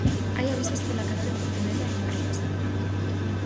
Hai avisos pola calor en Pontevedra e en Ourense.